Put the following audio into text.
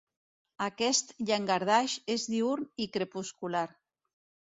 Aquest llangardaix és diürn i crepuscular.